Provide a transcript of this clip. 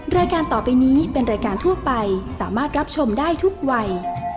รายการต่อไปนี้เป็นรายการทั่วไปสามารถรับชมได้ทุกวัย